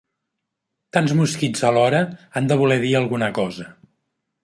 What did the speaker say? Tants mosquits alhora han de voler dir alguna cosa.